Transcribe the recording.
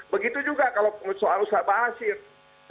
begitu juga kalau soal ustaz bashir